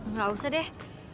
nggak usah deh